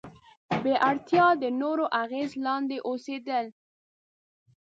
بې اړتیا د نورو اغیز لاندې اوسېدل.